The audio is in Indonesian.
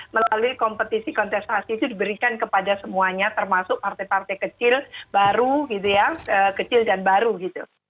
melalui kompetisi kontestasi itu diberikan kepada semuanya termasuk partai partai kecil baru gitu ya kecil dan baru gitu